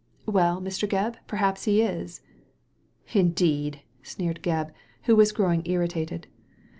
" Well, Mr, Gebb, perhaps he is," " Indeed !" sneered Gebb, who was growing irri tated.